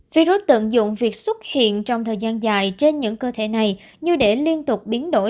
virus tận dụng việc xuất hiện trong thời gian dài trên những cơ thể này như để liên tục biến đổi